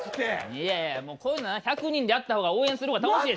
いやいやもうこういうのは１００人でやった方が応援する方が楽しいでしょ？